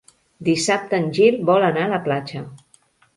Dissabte en Gil vol anar a la platja.